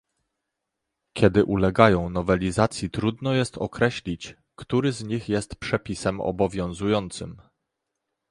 Kiedy ulegają nowelizacji trudno jest określić, który z nich jest przepisem obowiązującym